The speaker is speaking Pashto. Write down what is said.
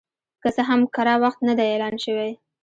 که څه هم کره وخت نه دی اعلان شوی